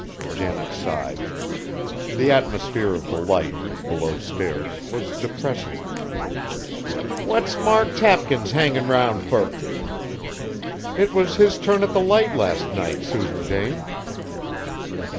Janet sighed. The atmosphere of the Light, below stairs, was depressing. "What's Mark Tapkins hangin' round fur?" "It was his turn at the Light last night, Susan Jane."